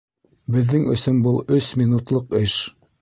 — Беҙҙең өсөн был өс минутлыҡ эш.